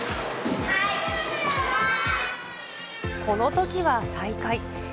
このときは最下位。